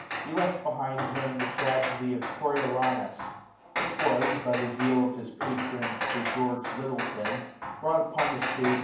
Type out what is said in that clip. He left behind him the tragedy of " Corio " lanus," which was, by the zeal of his patron Sir George Lyttelton, brought upon the stage Life of Thomson.